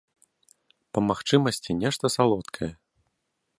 Па магчымасці нешта салодкае.